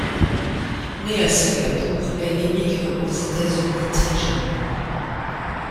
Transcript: Née à Singapour, elle immigre aux États-Unis très jeune.